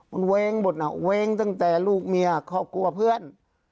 มันเว้งหมดน่ะเว้งตั้งแต่ลูกเมียครอบครัวเพื่อน